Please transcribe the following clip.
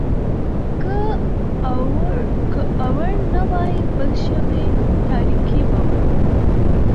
که اور نه وای بل شوی، تاريکي به وای.